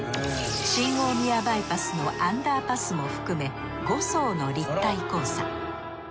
新大宮バイパスのアンダーパスも含め５層の立体交差。